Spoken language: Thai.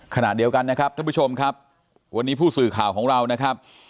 ขณะเดียวกันนะครับท่านผู้ชมครับวันนี้ผู้สื่อข่าวของเรานะครับ